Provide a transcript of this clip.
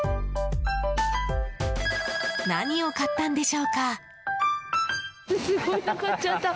何を買ったんでしょうか。